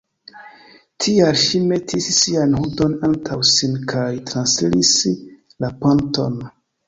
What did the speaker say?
Tial ŝi metis sian hundon antaŭ sin kaj transiris la ponton.